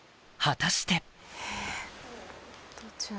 果たして？